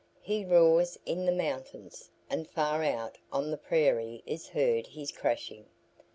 He roars in the mountains, and far out on the prairie is heard his crashing.